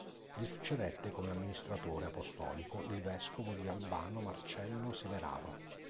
Gli succedette, come amministratore apostolico, il vescovo di Albano Marcello Semeraro.